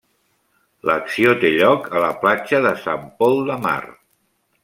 L'acció té lloc a la platja de Sant Pol de Mar.